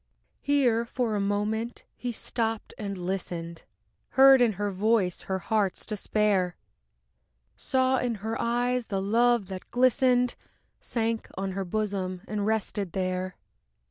Here for a moment he stopped and listened, Heard in her voice her heart's despair, Saw in her eyes the love that glistened, Sank on her bosom and rested there.